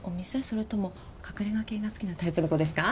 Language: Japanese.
それとも隠れ家系が好きなタイプの子ですか？